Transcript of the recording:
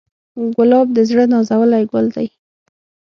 ګلاب د زړه نازولی ګل دی.